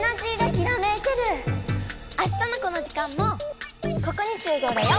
あしたのこの時間もここにしゅうごうだよ！